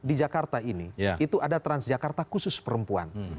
di jakarta ini itu ada transjakarta khusus perempuan